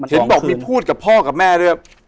เห็นบอกมีพูดกับพ่อกับแม่ด้วย